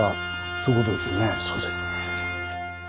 そうですね。